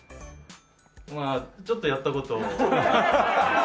まあちょっとやった事。